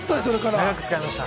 長く使いました。